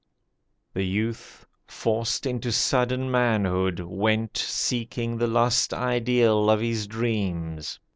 The youth, forced into sudden manhood, went Seeking the lost ideal of his dreams.